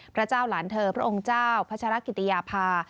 พระเจ้าหลานเธอพระองค์เจ้าพัชรกิติยาภา